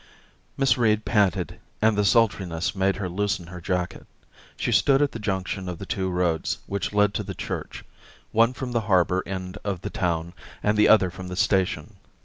Miss Reed panted, and "the sultriness made her loosen her jacket. She stood at the junction of the two roads which led to the church, one from the harbour end of the town and the other from the station.